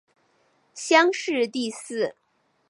乡试第四。